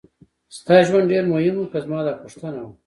ستا ژوند ډېر مهم و که زما دا پوښتنه وه.